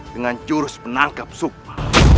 dengan jurus menangkap sukma